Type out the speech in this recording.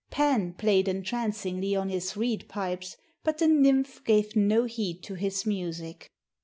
Pan played entrancingly on his reed pipes, but the nymph gave no heed to his music.